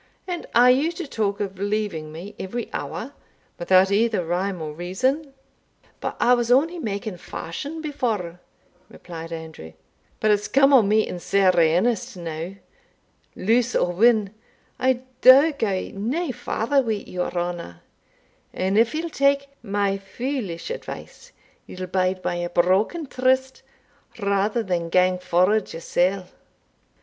And are you to talk of leaving me every hour, without either rhyme or reason?" "Ay, but I was only making fashion before," replied Andrew; "but it's come on me in sair earnest now Lose or win, I daur gae nae farther wi' your honour; and if ye'll tak my foolish advice, ye'll bide by a broken tryste, rather than gang forward yoursell.